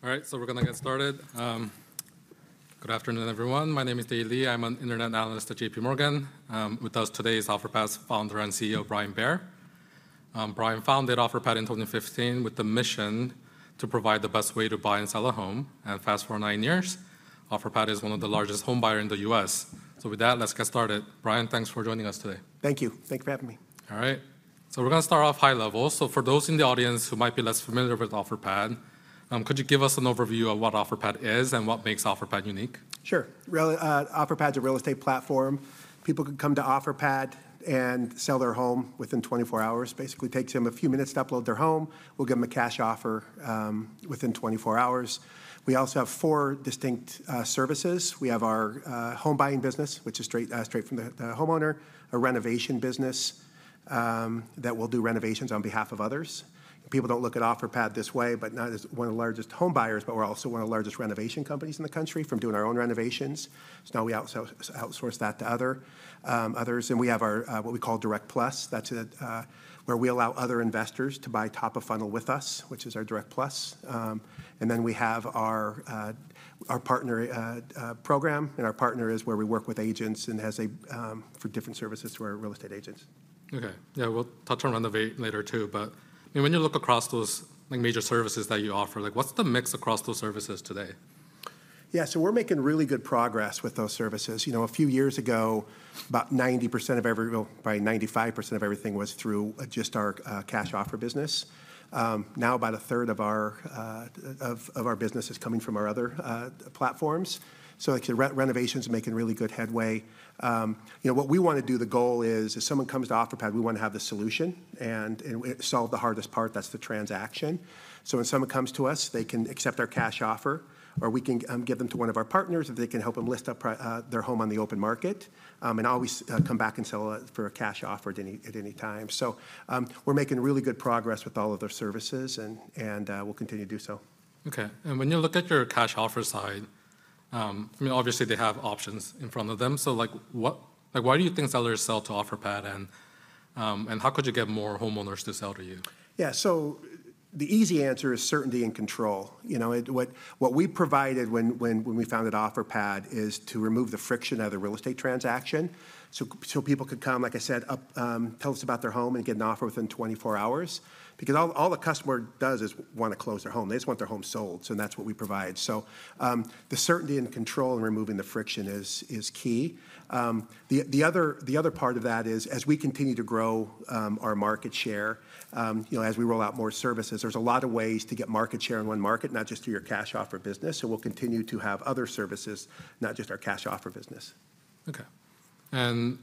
All right, so we're gonna get started. Good afternoon, everyone. My name is Dae Lee. I'm an Internet Analyst at JPMorgan. With us today is Offerpad's Founder and CEO, Brian Bair. Brian founded Offerpad in 2015 with the mission to provide the best way to buy and sell a home. Fast forward nine years, Offerpad is one of the largest home buyer in the U.S. With that, let's get started. Brian, thanks for joining us today. Thank you. Thank you for having me. All right. So we're gonna start off high level. So for those in the audience who might be less familiar with Offerpad, could you give us an overview of what Offerpad is and what makes Offerpad unique? Sure. Offerpad's a real estate platform. People can come to Offerpad and sell their home within 24 hours. Basically takes them a few minutes to upload their home. We'll give them a cash offer within 24 hours. We also have four distinct services. We have our home buying business, which is straight from the homeowner, a renovation business that will do renovations on behalf of others. People don't look at Offerpad this way, but not as one of the largest home buyers, but we're also one of the largest renovation companies in the country from doing our own renovations. So now we outsource that to others. And we have our what we call Direct+. That's where we allow other investors to buy top of funnel with us, which is our Direct+. And then we have our partner program, and our partner program is where we work with agents and has four different services to our real estate agents. Okay. Yeah, we'll touch on renovate later, too. But, I mean, when you look across those, like, major services that you offer, like, what's the mix across those services today? Yeah, so we're making really good progress with those services. You know, a few years ago, about 90%... Well, probably 95% of everything was through just our cash offer business. Now, about a third of our business is coming from our other platforms. So, like, renovation is making really good headway. You know, what we wanna do, the goal is, if someone comes to Offerpad, we wanna have the solution and, and solve the hardest part, that's the transaction. So when someone comes to us, they can accept our cash offer, or we can give them to one of our partners, if they can help them list up their home on the open market. And always come back and sell it for a cash offer at any time. So, we're making really good progress with all of those services, and we'll continue to do so. Okay. And when you look at your cash offer side, I mean, obviously, they have options in front of them. So, like, why do you think sellers sell to Offerpad, and how could you get more homeowners to sell to you? Yeah, so the easy answer is certainty and control. You know, it—what we provided when we founded Offerpad is to remove the friction out of the real estate transaction. So people could come, like I said, up, tell us about their home and get an offer within 24 hours. Because all the customer does is wanna close their home. They just want their home sold, so that's what we provide. So the certainty and control and removing the friction is key. The other part of that is, as we continue to grow our market share, you know, as we roll out more services, there's a lot of ways to get market share in one market, not just through your cash offer business. So we'll continue to have other services, not just our cash offer business. Okay. I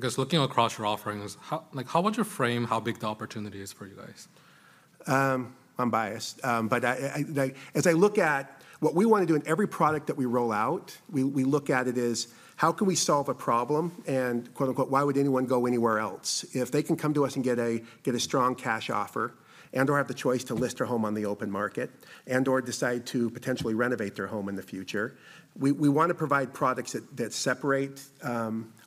guess looking across your offerings, how—like, how would you frame how big the opportunity is for you guys? I'm biased, but I like... As I look at what we wanna do in every product that we roll out, we look at it as: How can we solve a problem, and, quote, unquote, "Why would anyone go anywhere else?" If they can come to us and get a strong cash offer and/or have the choice to list their home on the open market, and/or decide to potentially renovate their home in the future, we wanna provide products that separate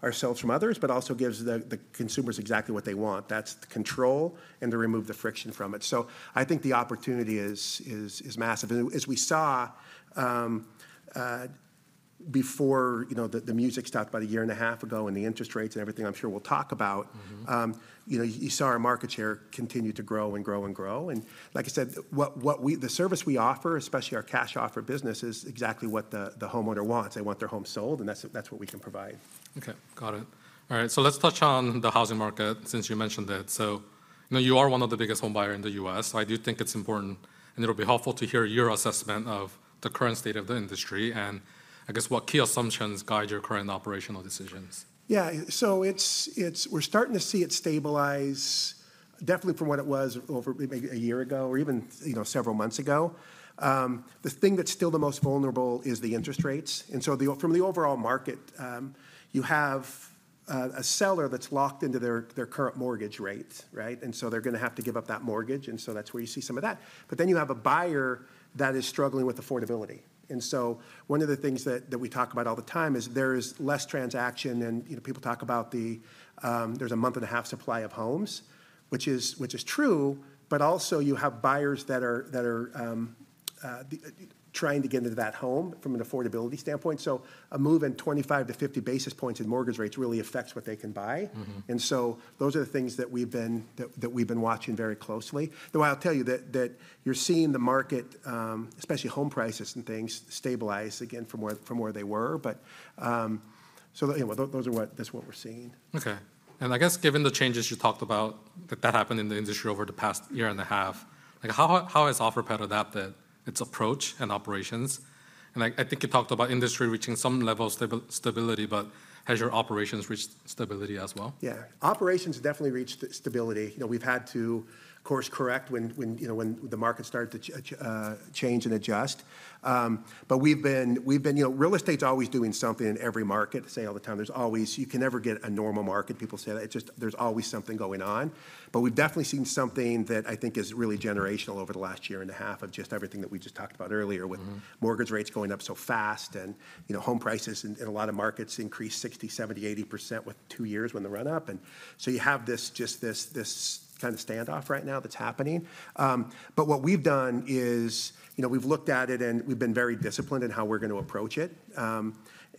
ourselves from others, but also gives the consumers exactly what they want. That's the control and to remove the friction from it. So I think the opportunity is massive. As we saw, before, you know, the music stopped about a year and a half ago, and the interest rates and everything, I'm sure we'll talk about- Mm-hmm... you know, you saw our market share continue to grow and grow and grow. And like I said, what we—the service we offer, especially our cash offer business, is exactly what the homeowner wants. They want their home sold, and that's what we can provide. Okay, got it. All right, so let's touch on the housing market since you mentioned it. So, you know, you are one of the biggest home buyer in the U.S. I do think it's important, and it'll be helpful to hear your assessment of the current state of the industry and, I guess, what key assumptions guide your current operational decisions. Yeah, so it's, we're starting to see it stabilize definitely from what it was over maybe a year ago or even, you know, several months ago. The thing that's still the most vulnerable is the interest rates. And so from the overall market, you have a seller that's locked into their current mortgage rates, right? And so they're gonna have to give up that mortgage, and so that's where you see some of that. But then you have a buyer that is struggling with affordability. And so one of the things that we talk about all the time is there is less transaction, and, you know, people talk about there's a month-and-a-half supply of homes, which is true, but also you have buyers that are trying to get into that home from an affordability standpoint. A move in 25-50 basis points in mortgage rates really affects what they can buy. Mm-hmm. And so those are the things that we've been watching very closely. Though I'll tell you that you're seeing the market, especially home prices and things, stabilize again from where they were. But so, you know, that's what we're seeing. Okay. I guess given the changes you talked about that happened in the industry over the past year and a half, like, how has Offerpad adapted its approach and operations? Like, I think you talked about industry reaching some level of stability, but has your operations reached stability as well? Yeah. Operations definitely reached stability. You know, we've had to course-correct when you know, when the market started to change and adjust. But we've been... You know, real estate's always doing something in every market. I say all the time, there's always, you can never get a normal market, people say that. It's just, there's always something going on. But we've definitely seen something that I think is really generational over the last year and a half of just everything that we just talked about earlier- Mm-hmm... with mortgage rates going up so fast and, you know, home prices in a lot of markets increased 60%, 70%, 80% with 2 years when the run-up. And so you have this, just this kind of standoff right now that's happening. But what we've done is, you know, we've looked at it, and we've been very disciplined in how we're gonna approach it,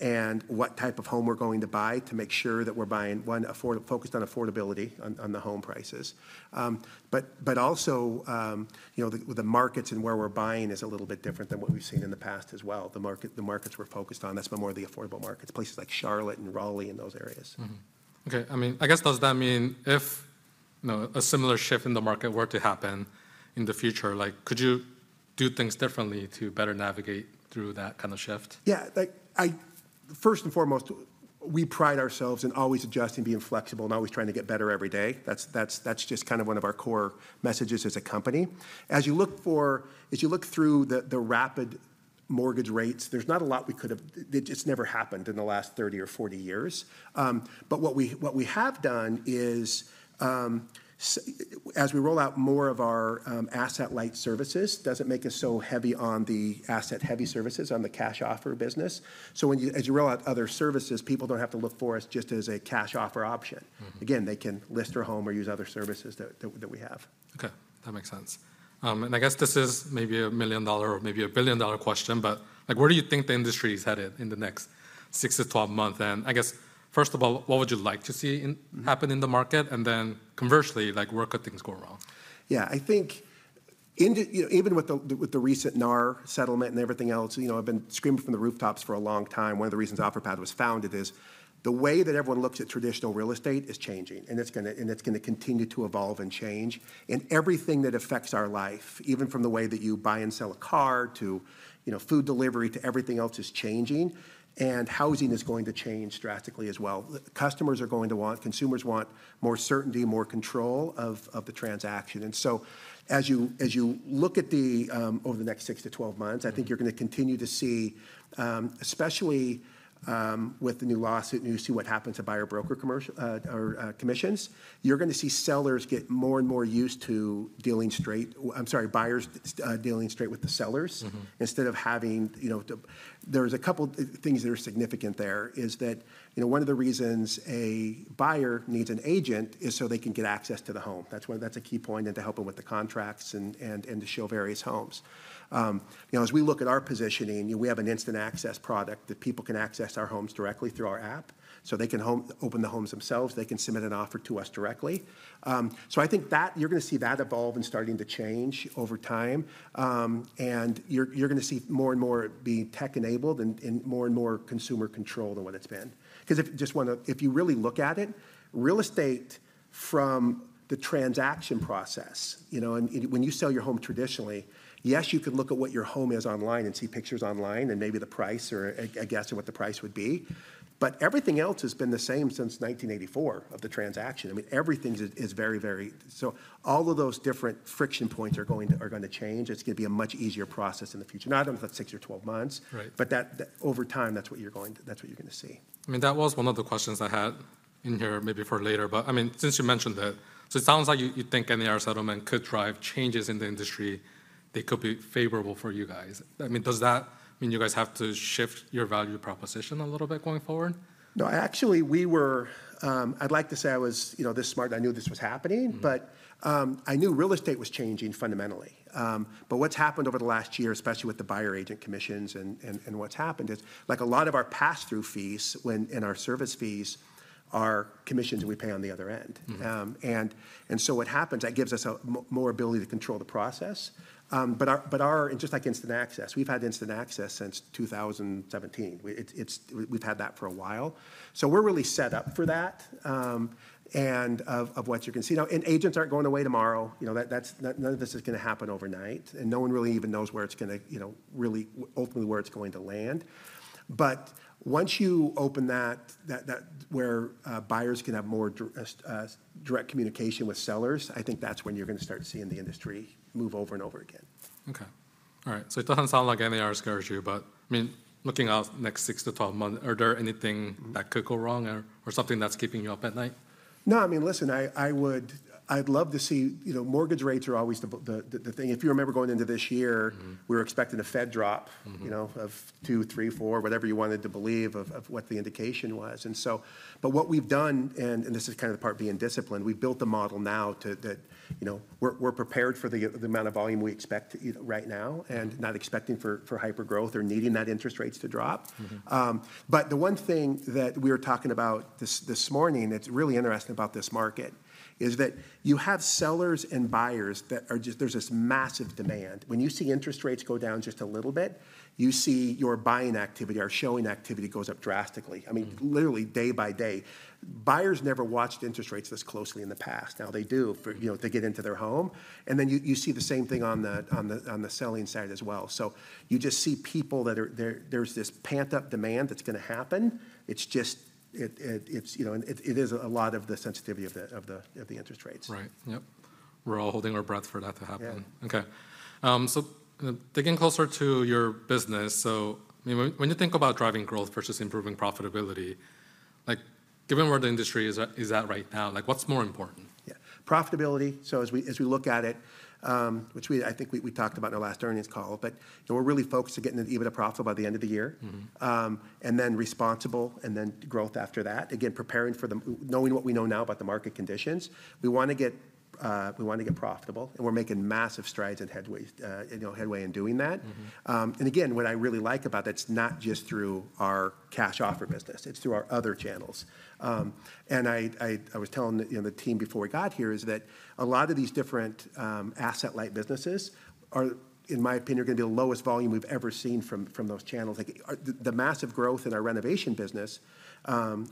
and what type of home we're going to buy to make sure that we're buying, one, affordability-focused on affordability on the home prices. But also, you know, the markets and where we're buying is a little bit different than what we've seen in the past as well. The markets we're focused on, that's been more of the affordable markets, places like Charlotte and Raleigh and those areas. Mm-hmm. Okay, I mean, I guess, does that mean you know, a similar shift in the market were to happen in the future, like, could you do things differently to better navigate through that kind of shift? Yeah, like, first and foremost, we pride ourselves in always adjusting, being flexible, and always trying to get better every day. That's, that's, that's just kind of one of our core messages as a company. As you look through the rapid mortgage rates, there's not a lot we could have... It's never happened in the last 30 or 40 years. But what we have done is, as we roll out more of our asset-light services, doesn't make us so heavy on the asset-heavy services, on the cash offer business. So as you roll out other services, people don't have to look for us just as a cash offer option. Mm-hmm. Again, they can list their home or use other services that we have. Okay, that makes sense. And I guess this is maybe a million-dollar or maybe a billion-dollar question, but, like, where do you think the industry is headed in the next 6-12 months? I guess, first of all, what would you like to see in- Mm... happen in the market? And then conversely, like, where could things go wrong? Yeah, I think in the, you know, even with the, with the recent NAR settlement and everything else, you know, I've been screaming from the rooftops for a long time, one of the reasons Offerpad was founded is the way that everyone looks at traditional real estate is changing, and it's gonna, and it's gonna continue to evolve and change. And everything that affects our life, even from the way that you buy and sell a car to, you know, food delivery, to everything else, is changing, and housing is going to change drastically as well. The customers are going to want consumers want more certainty, more control of, of the transaction. And so, as you, as you look at the, over the next six to 12 months- Mm... I think you're gonna continue to see, especially, with the new lawsuit, and you see what happens to buyer broker commission or commissions, you're gonna see sellers get more and more used to dealing straight. I'm sorry, buyers, dealing straight with the sellers. Mm-hmm. Instead of having, you know, the. There are a couple things that are significant there, is that, you know, one of the reasons a buyer needs an agent is so they can get access to the home. That's why that's a key point, and to help them with the contracts, and to show various homes. You know, as we look at our positioning, we have an Instant Access product that people can access our homes directly through our app. So they can open the homes themselves. They can submit an offer to us directly. So I think that, you're gonna see that evolve and starting to change over time. And you're gonna see more and more be tech-enabled and more and more consumer control than what it's been. Because if you really look at it, real estate from the transaction process, you know, and when you sell your home traditionally, yes, you can look at what your home is online and see pictures online, and maybe the price, or a guess of what the price would be, but everything else has been the same since 1984, of the transaction. I mean, everything is very, very... So all of those different friction points are going to change. It's going to be a much easier process in the future. Not in the next six or 12 months- Right... but that, over time, that's what you're gonna see. I mean, that was one of the questions I had in here, maybe for later, but, I mean, since you mentioned it, so it sounds like you think NAR settlement could drive changes in the industry that could be favorable for you guys. I mean, does that mean you guys have to shift your value proposition a little bit going forward? No, actually, we were, I'd like to say I was, you know, this smart, I knew this was happening- Mm... but, I knew real estate was changing fundamentally. But what's happened over the last year, especially with the buyer agent commissions and what's happened, is like a lot of our passthrough fees and our service fees are commissions that we pay on the other end. Mm-hmm. So what happens, that gives us more ability to control the process. But just like Instant Access, we've had Instant Access since 2017. We've had that for a while. So we're really set up for that, and what you're gonna see. Now, agents aren't going away tomorrow. You know, none of this is gonna happen overnight, and no one really even knows where it's gonna, you know, really, ultimately, land. But once you open that where buyers can have more direct communication with sellers, I think that's when you're gonna start seeing the industry move over and over again. Okay. All right. So it doesn't sound like NAR scares you, but, I mean, looking out next six to 12 months, are there anything- Mm... that could go wrong or, or something that's keeping you up at night? No, I mean, listen, I would, I'd love to see... You know, mortgage rates are always the thing. If you remember, going into this year- Mm-hmm... we were expecting a Fed drop- Mm-hmm... you know, of 2, 3, 4, whatever you wanted to believe of what the indication was. So, but what we've done, and this is kind of the part being disciplined, we've built the model now to that, you know, we're prepared for the amount of volume we expect right now and not expecting for hypergrowth or needing that interest rates to drop. Mm-hmm. But the one thing that we were talking about this morning that's really interesting about this market is that you have sellers and buyers that are just. There's this massive demand. When you see interest rates go down just a little bit, you see your buying activity or showing activity goes up drastically. Mm. I mean, literally day by day. Buyers never watched interest rates this closely in the past. Now they do, for, you know, to get into their home. And then you see the same thing on the selling side as well. So you just see people that are there. There's this pent-up demand that's gonna happen. It's just, you know, and it is a lot of the sensitivity of the interest rates. Right. Yep. We're all holding our breath for that to happen. Yeah. Okay. So digging closer to your business, so, I mean, when you think about driving growth versus improving profitability, like, given where the industry is at right now, like, what's more important? Yeah. Profitability. So as we, as we look at it, I think we, we talked about in our last earnings call, but, you know, we're really focused to getting to EBITDA profit by the end of the year. Mm-hmm. and then responsible, and then growth after that. Again, preparing, knowing what we know now about the market conditions, we wanna get, we want to get profitable, and we're making massive strides and headway, you know, headway in doing that. Mm-hmm. And again, what I really like about that, it's not just through our cash offer business. It's through our other channels. And I was telling the, you know, the team before we got here is that a lot of these different, asset-light businesses are, in my opinion, are going to be the lowest volume we've ever seen from those channels. Like, the massive growth in our renovation business,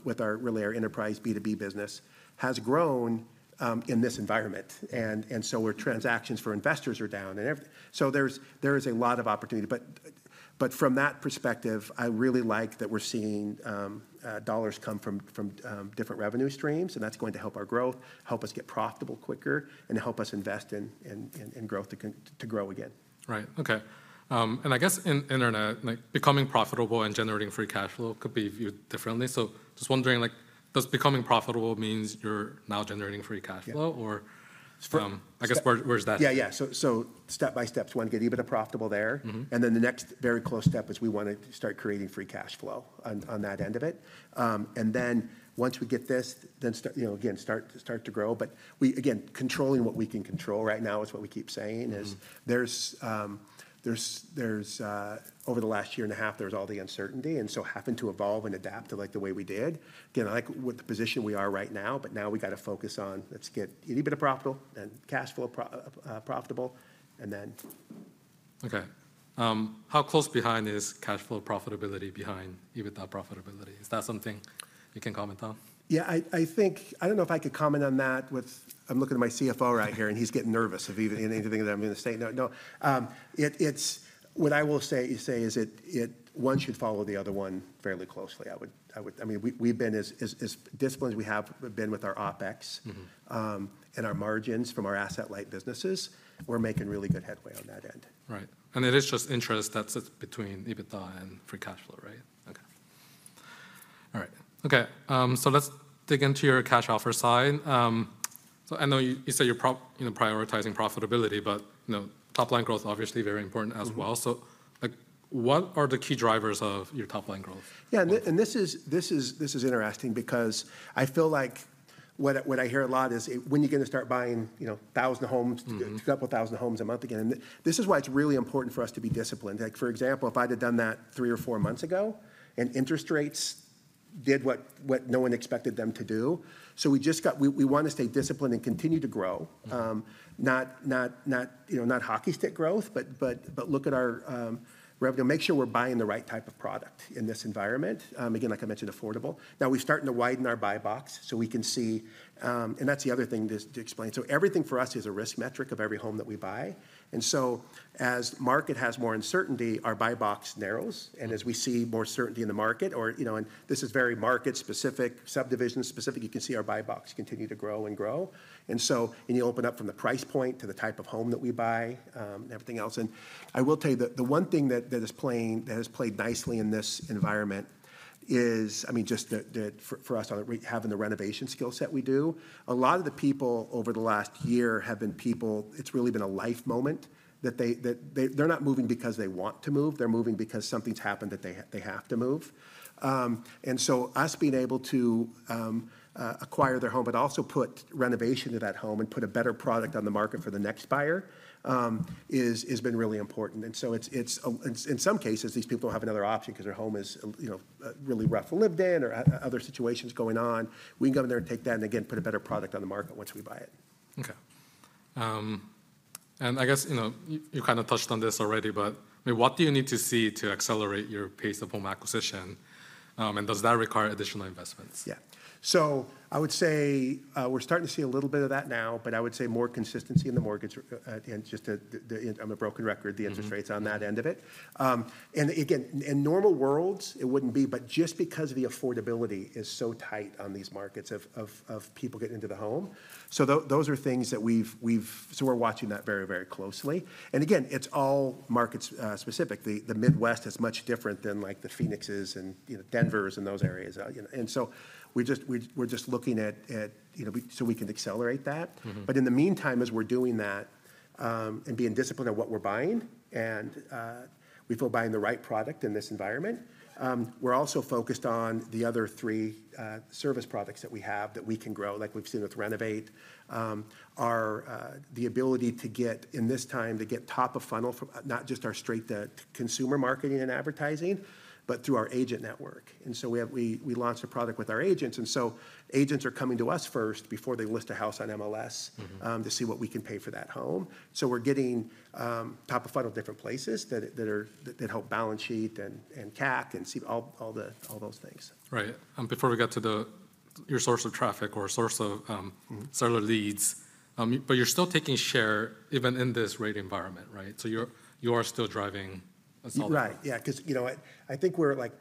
with our really our enterprise B2B business, has grown, in this environment. So there's a lot of opportunity, but from that perspective, I really like that we're seeing dollars come from different revenue streams, and that's going to help our growth, help us get profitable quicker, and help us invest in growth to grow again. Right. Okay. And I guess in internet, like, becoming profitable and generating free cash flow could be viewed differently. So just wondering, like, does becoming profitable means you're now generating free cash flow? Yeah... or from- St- I guess, where, where is that? Yeah, yeah. So, so step by step, one, get EBITDA profitable there. Mm-hmm. And then the next very close step is we want to start creating free cash flow on that end of it. And then once we get this, then, you know, again, start to grow. But we again, controlling what we can control right now is what we keep saying. Mm-hmm... is there's over the last year and a half, there's all the uncertainty, and so having to evolve and adapt to, like, the way we did. Again, I like with the position we are right now, but now we got to focus on let's get EBITDA profitable, then cash flow profitable, and then... Okay. How close behind is cash flow profitability behind EBITDA profitability? Is that something you can comment on? Yeah, I think - I don't know if I could comment on that with... I'm looking at my CFO right here, and he's getting nervous of even anything that I'm going to state. No, no. It's - What I will say is that. One should follow the other one fairly closely. I would... I mean, we've been as disciplined as we have been with our OpEx - Mm-hmm... and our margins from our asset-light businesses. We're making really good headway on that end. Right. And it is just interest that sits between EBITDA and free cash flow, right? Okay. All right. Okay, so let's dig into your cash offer side. So I know you, you said you're you know, prioritizing profitability, but, you know, top-line growth is obviously very important as well. Mm-hmm. So, like, what are the key drivers of your top-line growth? Yeah, and this is, this is, this is interesting because I feel like what I, what I hear a lot is, "When are you going to start buying, you know, thousand of homes- Mm-hmm... a couple thousand of homes a month again? This is why it's really important for us to be disciplined. Like, for example, if I'd have done that three or four months ago, and interest rates did what, what no one expected them to do. So we just got. We, we want to stay disciplined and continue to grow. Mm-hmm. Not, you know, not hockey stick growth, but look at our revenue, make sure we're buying the right type of product in this environment. Again, like I mentioned, affordable. Now, we're starting to widen our buy box, so we can see... And that's the other thing to explain. So everything for us is a risk metric of every home that we buy. And so as market has more uncertainty, our buy box narrows. Mm-hmm. And as we see more certainty in the market or, you know, and this is very market-specific, subdivision-specific, you can see our buy box continue to grow and grow. And so when you open up from the price point to the type of home that we buy, and everything else. And I will tell you, the one thing that has played nicely in this environment is, I mean, just the. For us on having the renovation skill set we do, a lot of the people over the last year have been people—it's really been a life moment, that they, they're not moving because they want to move, they're moving because something's happened, that they have to move. And so us being able to acquire their home, but also put renovation to that home and put a better product on the market for the next buyer, is, has been really important. And so it's, it's, in some cases, these people don't have another option because their home is, you know, really rough to live in or other situations going on. We can go in there and take that and again, put a better product on the market once we buy it. Okay. And I guess, you know, you kind of touched on this already, but, I mean, what do you need to see to accelerate your pace of home acquisition? And does that require additional investments? Yeah. So I would say, we're starting to see a little bit of that now, but I would say more consistency in the mortgage, and just the, I'm a broken record- Mm-hmm... the interest rates on that end of it. And again, in normal worlds, it wouldn't be, but just because the affordability is so tight on these markets of people getting into the home. So those are things that we've. So we're watching that very, very closely. And again, it's all market-specific. The Midwest is much different than, like, the Phoenixes and, you know, Denvers and those areas, you know. And so we're just looking at, you know, so we can accelerate that. Mm-hmm. But in the meantime, as we're doing that, and being disciplined on what we're buying, and, we feel buying the right product in this environment, we're also focused on the other three, service products that we have that we can grow, like we've seen with Renovate. Our, the ability to get, in this time, to get top of funnel from-- not just our straight to consumer marketing and advertising, but through our agent network. And so we have-- We, we launched a product with our agents, and so agents are coming to us first before they list a house on MLS- Mm-hmm... to see what we can pay for that home. So we're getting top of funnel different places that help balance sheet and CAC and see all those things. Right. Before we get to your source of traffic or source of Mm-hmm... seller leads, but you're still taking share even in this rate environment, right? So you are still driving solid. Right. Yeah, because, you know, I think we're, like,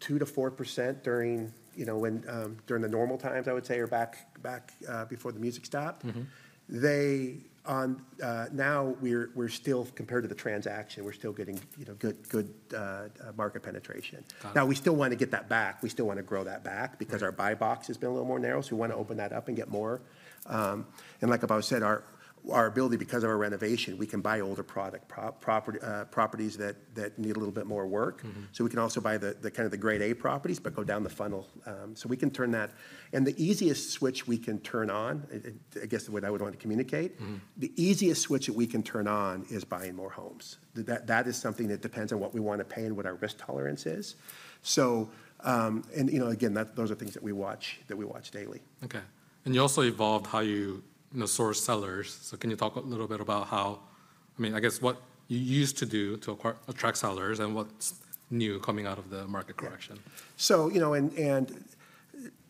2%-4% during, you know, when, during the normal times, I would say, or back before the music stopped. Mm-hmm. Now, we're still, compared to the transaction, we're still getting, you know, good market penetration. Got it. Now, we still want to get that back. We still want to grow that back- Right... because our buy box has been a little more narrow, so we want to open that up and get more. And like I've always said, our ability, because of our renovation, we can buy older product, property, properties that need a little bit more work. Mm-hmm. So we can also buy the kind of grade A properties, but go down the funnel. So we can turn that. And the easiest switch we can turn on, I guess what I would want to communicate- Mm-hmm... the easiest switch that we can turn on is buying more homes. That is something that depends on what we want to pay and what our risk tolerance is. So, and, you know, again, those are things that we watch daily. Okay. And you also evolved how you, you know, source sellers. So can you talk a little bit about how I mean, I guess what you used to do to attract sellers, and what's new coming out of the market correction? Yeah. So, you know,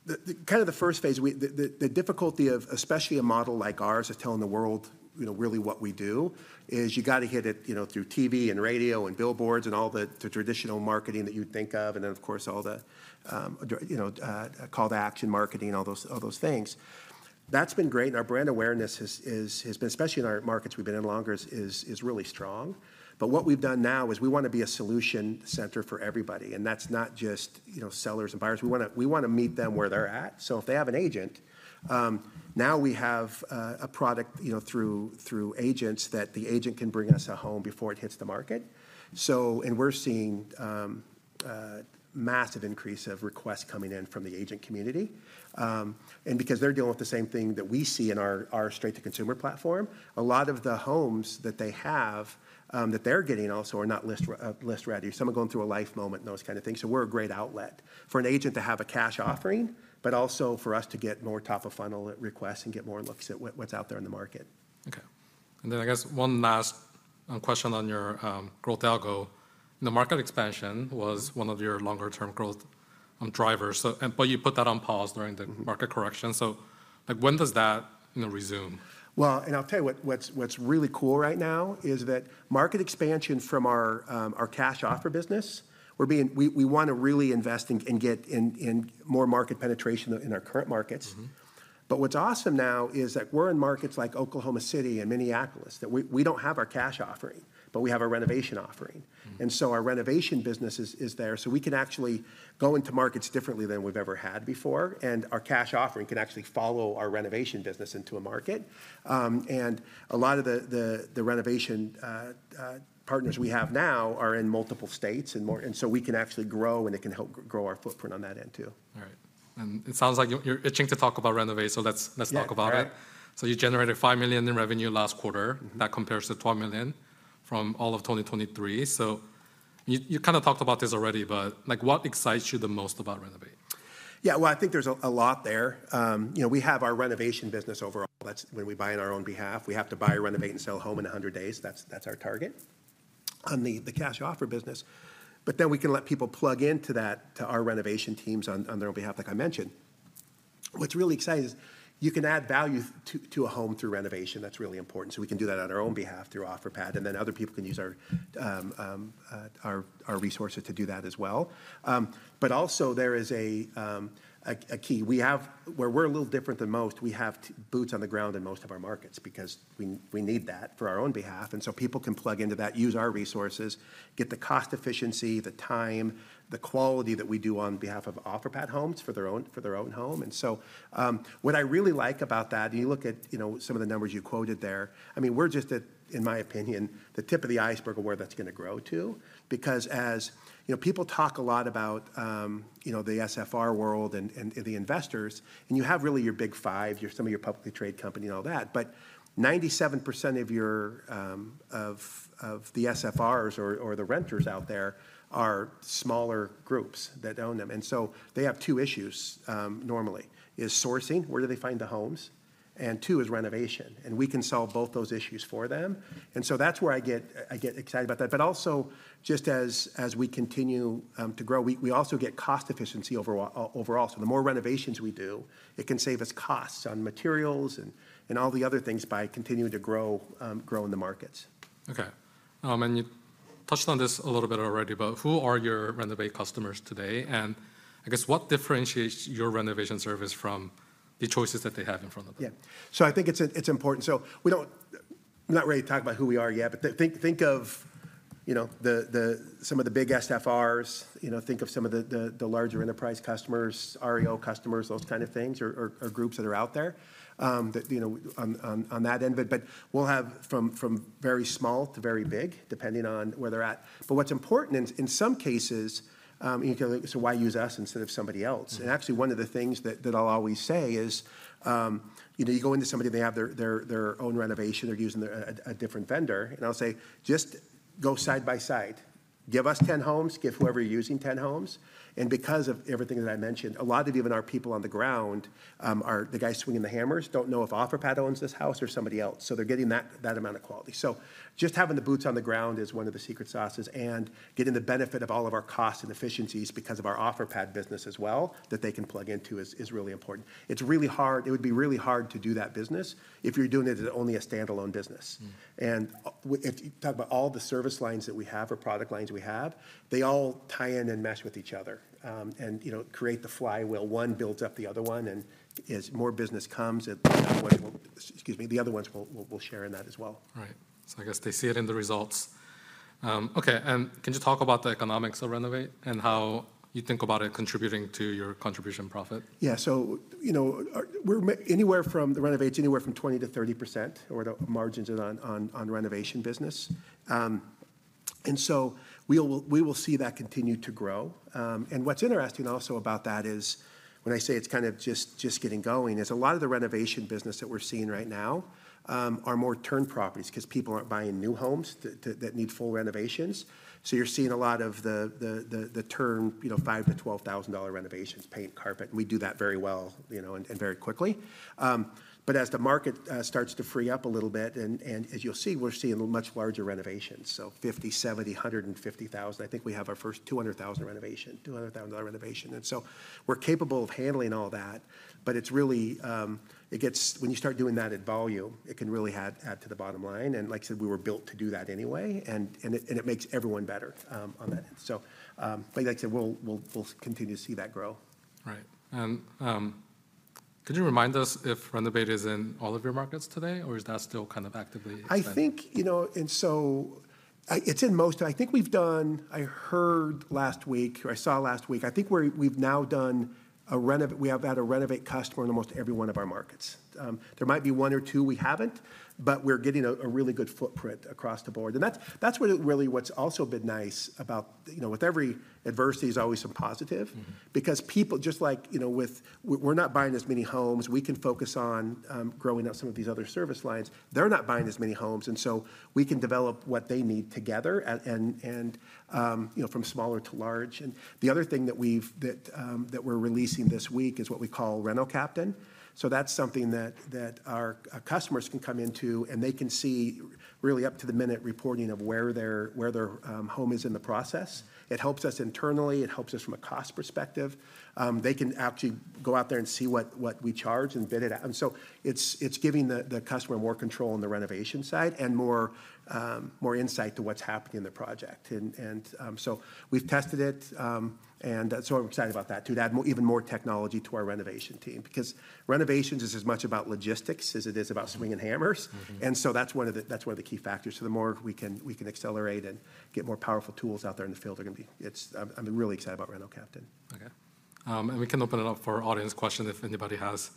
the kind of first phase, the difficulty of especially a model like ours of telling the world, you know, really what we do, is you gotta hit it, you know, through TV, and radio, and billboards, and all the traditional marketing that you'd think of, and then, of course, all the, you know, call to action marketing, all those things. That's been great, and our brand awareness has been, especially in our markets we've been in longer, really strong. But what we've done now is we wanna be a solution center for everybody, and that's not just, you know, sellers and buyers. We wanna meet them where they're at. So if they have an agent, now we have a product, you know, through agents, that the agent can bring us a home before it hits the market. So... And we're seeing massive increase of requests coming in from the agent community. And because they're dealing with the same thing that we see in our straight-to-consumer platform, a lot of the homes that they have that they're getting also are not list-ready. Some are going through a life moment and those kind of things. So we're a great outlet for an agent to have a cash offering, but also for us to get more top-of-funnel requests and get more looks at what's out there in the market. Okay. And then I guess one last question on your growth algo. The market expansion was one of your longer term growth drivers, so, and but you put that on pause during- Mm... the market correction. So, like, when does that, you know, resume? Well, and I'll tell you what, what's really cool right now is that market expansion from our cash offer business. We wanna really invest and get in more market penetration in our current markets. Mm-hmm. But what's awesome now is that we're in markets like Oklahoma City and Minneapolis, that we don't have our cash offering, but we have our renovation offering. Mm. And so our renovation business is there, so we can actually go into markets differently than we've ever had before, and our cash offering can actually follow our renovation business into a market. A lot of the renovation partners we have now are in multiple states and more, and so we can actually grow, and it can help grow our footprint on that end, too. All right. And it sounds like you're, you're itching to talk about Renovate, so let's, let's talk about it. Yeah. All right. You generated $5 million in revenue last quarter. Mm-hmm. That compares to $12 million from all of 2023. So you, you kind of talked about this already, but, like, what excites you the most about Renovate? Yeah, well, I think there's a lot there. You know, we have our renovation business overall. That's when we buy on our own behalf. We have to buy, renovate, and sell a home in 100 days. That's our target on the cash offer business. But then we can let people plug into that, to our renovation teams on their own behalf, like I mentioned. What's really exciting is you can add value to a home through renovation. That's really important. So we can do that on our own behalf through Offerpad, and then other people can use our resources to do that as well. But also there is a key. We have where we're a little different than most, we have the boots on the ground in most of our markets because we, we need that for our own behalf. And so people can plug into that, use our resources, get the cost efficiency, the time, the quality that we do on behalf of Offerpad homes for their own, for their own home. And so, what I really like about that, and you look at, you know, some of the numbers you quoted there, I mean, we're just at, in my opinion, the tip of the iceberg of where that's gonna grow to. Because as, you know, people talk a lot about, you know, the SFR world and the investors, and you have really your big five, some of your publicly traded company and all that, but 97% of your of the SFRs or the renters out there are smaller groups that own them. And so they have two issues, normally, is sourcing, where do they find the homes? And two is renovation. And we can solve both those issues for them. Mm-hmm. So that's where I get, I get excited about that. But also, just as we continue to grow, we also get cost efficiency overall. So the more renovations we do, it can save us costs on materials and all the other things by continuing to grow, grow in the markets. Okay. And you touched on this a little bit already, but who are your Renovate customers today? And I guess, what differentiates your renovation service from the choices that they have in front of them? Yeah. So I think it's important. So we don't. I'm not ready to talk about who we are yet, but think of, you know, some of the big SFRs, you know, think of some of the larger enterprise customers, REO customers, those kind of things, or groups that are out there, that, you know, on that end. But we'll have from very small to very big, depending on where they're at. But what's important in some cases, you know, so why use us instead of somebody else? Mm. And actually, one of the things that I'll always say is, you know, you go into somebody, they have their own renovation, they're using a different vendor, and I'll say: Just go side by side. Give us 10 homes, give whoever you're using 10 homes. And because of everything that I mentioned, a lot of even our people on the ground are the guys swinging the hammers, don't know if Offerpad owns this house or somebody else, so they're getting that amount of quality. So just having the boots on the ground is one of the secret sauces, and getting the benefit of all of our costs and efficiencies because of our Offerpad business as well, that they can plug into is really important. It would be really hard to do that business if you're doing it as only a standalone business. Mm. If you talk about all the service lines that we have or product lines we have, they all tie in and mesh with each other, and, you know, create the flywheel. One builds up the other one, and as more business comes, excuse me, the other ones will share in that as well. Right. So I guess they see it in the results. Okay, and can you talk about the economics of Renovate and how you think about it contributing to your contribution profit? Yeah. So, you know, our, we're anywhere from, the Renovate's anywhere from 20%-30% are the margins on the renovation business. And so we will see that continue to grow. And what's interesting also about that is, when I say it's kind of just getting going, is a lot of the renovation business that we're seeing right now are more turn properties, 'cause people aren't buying new homes that need full renovations. So you're seeing a lot of the turn, you know, $5,000-$12,000 renovations, paint, carpet, and we do that very well, you know, and very quickly. But as the market starts to free up a little bit, and as you'll see, we're seeing much larger renovations, so $50,000, $70,000, $150,000. I think we have our first $200,000 renovation, $200,000 renovation. And so we're capable of handling all that, but it's really, it gets. When you start doing that at volume, it can really add to the bottom line. And like I said, we were built to do that anyway, and it makes everyone better on that end. So, but like I said, we'll continue to see that grow. Right. And, could you remind us if Renovate is in all of your markets today, or is that still kind of actively expanding? I think, you know, and so, it's in most. I think we've done. I heard last week, or I saw last week, I think we've now done. We have had a Renovate customer in almost every one of our markets. There might be one or two we haven't, but we're getting a really good footprint across the board. And that's, that's what really what's also been nice about, you know, with every adversity, there's always some positive. Mm-hmm. Because people, just like, you know, we're not buying as many homes, we can focus on growing out some of these other service lines. They're not buying as many homes, and so we can develop what they need together, and you know, from smaller to large. The other thing that we're releasing this week is what we call Reno Captain. That's something that our customers can come into, and they can see really up-to-the-minute reporting of where their home is in the process. It helps us internally, it helps us from a cost perspective. They can actually go out there and see what we charge and bid it out. And so it's giving the customer more control on the renovation side and more insight to what's happening in the project. And so we've tested it, and so I'm excited about that, to add even more technology to our renovation team. Because renovations is as much about logistics as it is about swinging hammers. Mm-hmm. That's one of the key factors. So the more we can accelerate and get more powerful tools out there in the field, they're gonna be... I'm really excited about Reno Captain. Okay. And we can open it up for audience questions. If anybody has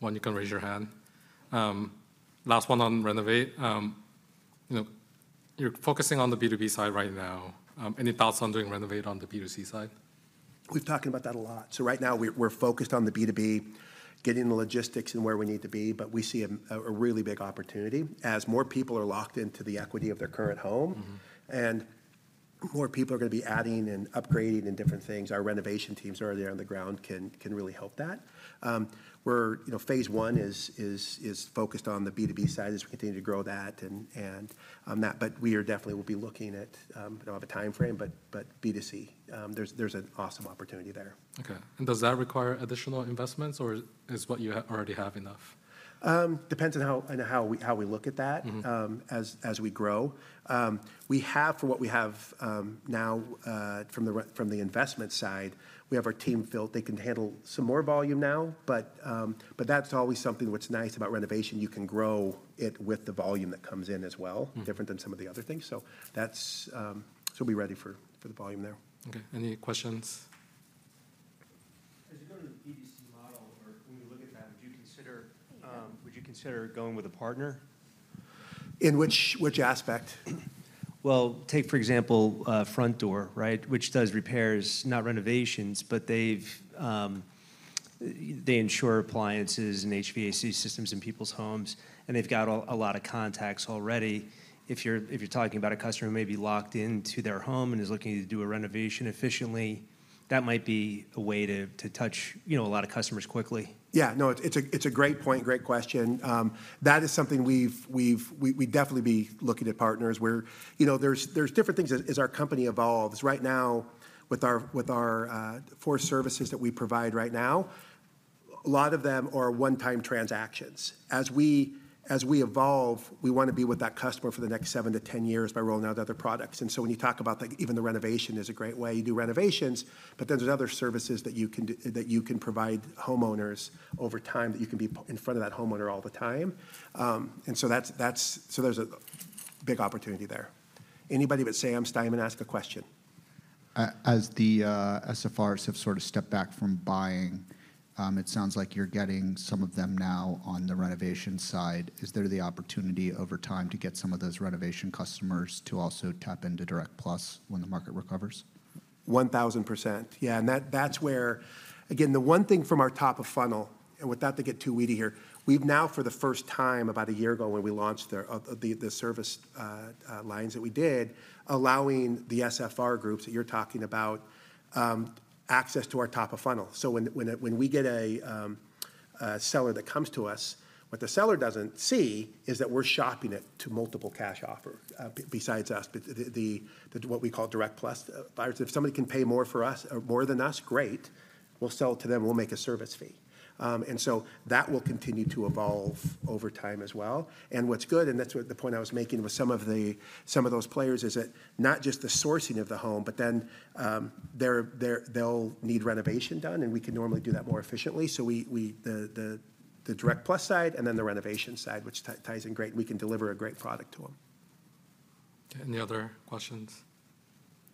one, you can raise your hand. Last one on Renovate. You know, you're focusing on the B2B side right now. Any thoughts on doing Renovate on the B2C side? We've talked about that a lot. So right now we're focused on the B2B, getting the logistics and where we need to be, but we see a really big opportunity. As more people are locked into the equity of their current home- Mm-hmm... and more people are gonna be adding and upgrading and different things, our renovation teams are there on the ground, can really help that. We're, you know, phase one is focused on the B2B side, as we continue to grow that, but we are definitely will be looking at, I don't have a time frame, but B2C. There's an awesome opportunity there. Okay. And does that require additional investments, or is what you have already enough? Depends on how we look at that- Mm-hmm... as we grow. We have, for what we have now, from the investment side, our team filled. They can handle some more volume now, but that's always something what's nice about renovation: you can grow it with the volume that comes in as well- Mm... different than some of the other things. So that's, so we'll be ready for the volume there. Okay. Any questions? As you go to the B2C model, or when you look at that, would you consider, would you consider going with a partner? In which, which aspect? Well, take, for example, Frontdoor, right? Which does repairs, not renovations, but they've, they insure appliances and HVAC systems in people's homes, and they've got a lot of contacts already. If you're talking about a customer who may be locked into their home and is looking to do a renovation efficiently, that might be a way to touch, you know, a lot of customers quickly. Yeah. No, it's a great point, great question. That is something we'd definitely be looking at partners. We're— You know, there's different things as our company evolves. Right now, with our four services that we provide right now, a lot of them are one-time transactions. As we evolve, we want to be with that customer for the next seven to 10 years by rolling out other products. And so when you talk about, like, even the renovation is a great way, you do renovations, but then there's other services that you can do that you can provide homeowners over time, that you can be in front of that homeowner all the time. And so that's— So there's a big opportunity there. Anybody but Sam Steiman ask a question. As the SFRs have sort of stepped back from buying, it sounds like you're getting some of them now on the renovation side. Is there the opportunity over time to get some of those renovation customers to also tap into Direct+ when the market recovers? 1000%. Yeah, and that, that's where... Again, the one thing from our top of funnel, and without to get too weedy here, we've now, for the first time, about a year ago when we launched the service lines that we did, allowing the SFR groups that you're talking about access to our top of funnel. So when we get a seller that comes to us, what the seller doesn't see is that we're shopping it to multiple cash offer buyers besides us, but the what we call Direct+ buyers. If somebody can pay more for us, more than us, great. We'll sell it to them, we'll make a service fee. And so that will continue to evolve over time as well. And what's good, and that's the point I was making with some of those players, is that not just the sourcing of the home, but then, they'll need renovation done, and we can normally do that more efficiently. So, the Direct+ side and then the renovation side, which ties in great, we can deliver a great product to them. Any other questions?...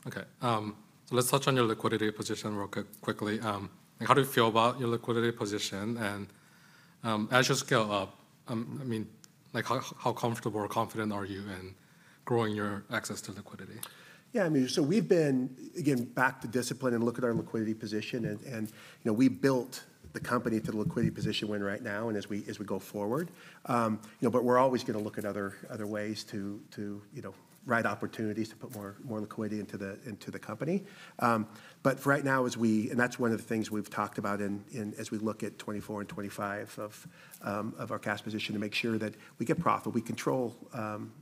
Okay, so let's touch on your liquidity position real quick. How do you feel about your liquidity position? As you scale up, I mean, like, how comfortable or confident are you in growing your access to liquidity? Yeah, I mean, so we've been, again, back to discipline and look at our liquidity position, and you know, we built the company to the liquidity position we're in right now, and as we go forward. You know, but we're always gonna look at other ways to, you know, right opportunities to put more liquidity into the company. But for right now, as we and that's one of the things we've talked about in as we look at 2024 and 2025 of our cash position, to make sure that we get profit. We control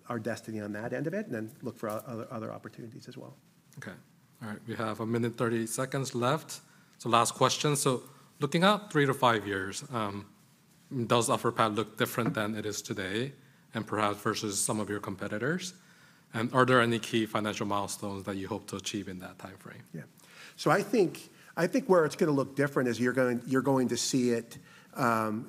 our destiny on that end of it, and then look for other opportunities as well. Okay. All right, we have 1 minute and 30 seconds left, so last question: So looking out 3-5 years, does Offerpad look different than it is today, and perhaps versus some of your competitors? And are there any key financial milestones that you hope to achieve in that time frame? Yeah. So I think, I think where it's gonna look different is you're going, you're going to see it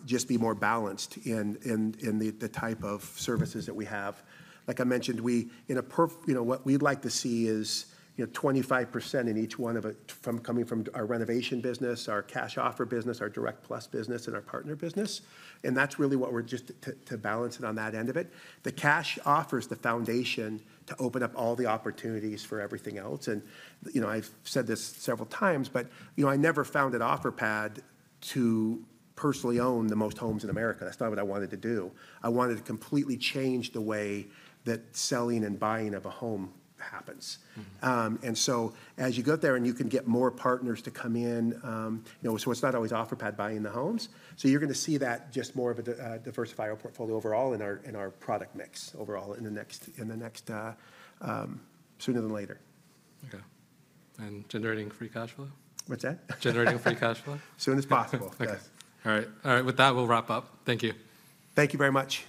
just be more balanced in, in, in the, the type of services that we have. Like I mentioned, you know, what we'd like to see is, you know, 25% in each one of it from coming from our renovation business, our cash offer business, our Direct+ business, and our partner business, and that's really what we're just to balance it on that end of it. The cash offer is the foundation to open up all the opportunities for everything else. And, you know, I've said this several times, but, you know, I never founded Offerpad to personally own the most homes in America. That's not what I wanted to do. I wanted to completely change the way that selling and buying of a home happens. Mm-hmm. And so as you go there, and you can get more partners to come in, you know, so it's not always Offerpad buying the homes. So you're gonna see that, just more of a diversified portfolio overall in our product mix overall, in the next sooner than later. Okay. And generating free cash flow? What's that? Generating free cash flow. Soon as possible. Okay. Yes. All right. All right, with that, we'll wrap up. Thank you. Thank you very much.